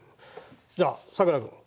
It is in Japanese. じゃあさくら君。